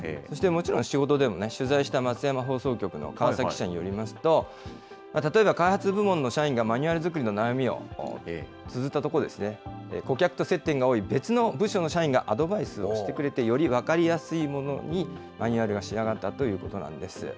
そしてもちろん、仕事でも取材した松山放送局の河崎記者によりますと、例えば開発部門の社員がマニュアル作りの悩みをつづったところ、顧客と接点が多い別の部署の社員がアドバイスをしてくれて、より分かりやすいものにマニュアルが仕上がったということなんです。